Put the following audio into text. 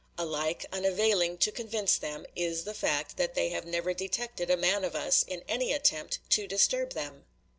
Alike unavailing to convince them is the fact that they have never detected a man of us in any attempt to disturb them.